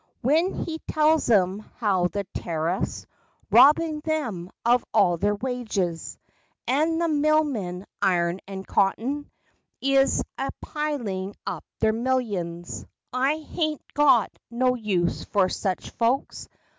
When he tells 'em how the tariff's Robbin' them of all their wages, And the mill men, iron and cotton, Is a pilin' up their millions. I haint got no use for sech folks.